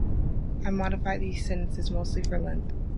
I modified these sentences, mostly for length.